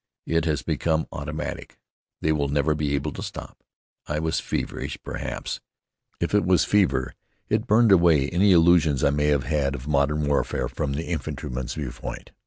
It has become automatic. They will never be able to stop." I was feverish, perhaps. If it was fever, it burned away any illusions I may have had of modern warfare from the infantryman's viewpoint.